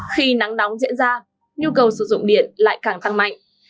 khi nắng nóng diễn ra nhu cầu sử dụng điện lại càng tăng mạnh